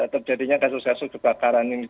terjadinya kasus kasus kebakaran ini